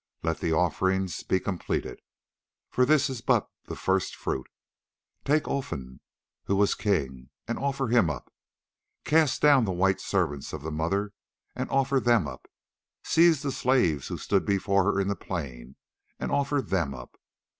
Let the offerings be completed, for this is but the first fruit. Take Olfan who was king, and offer him up. Cast down the white servants of the Mother, and offer them up. Seize the slaves who stood before her in the plain, and offer them up.